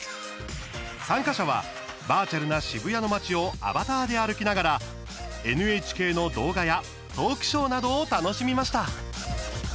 参加者はバーチャルな渋谷の街をアバターで歩きながらＮＨＫの動画やトークショーなどを楽しみました。